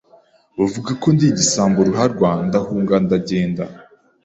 bavuga ko ndi igisambo ruharwa ndahunga ndagenda